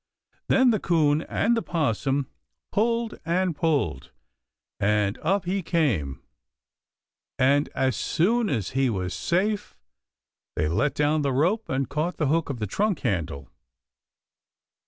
Then the 'Coon and the 'Possum pulled and pulled and up he came, and as soon as he was safe they let down the rope and caught the hook in the trunk handle.